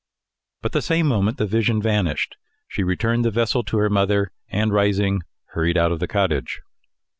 But the same moment the vision vanished; she returned the vessel to her mother, and rising, hurried out of the cottage.